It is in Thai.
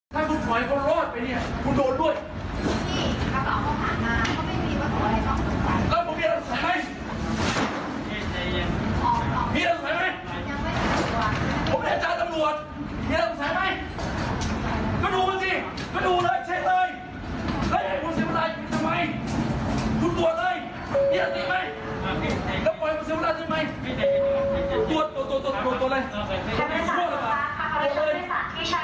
ก็ดูกันสิก็ดูเลยเช็คเลยไอ้ผู้เศรษฐรรย์ทำไมคุณตรวจเลย